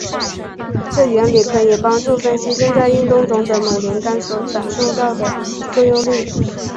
这原理可以帮助分析正在运动中的某连杆所感受到的作用力。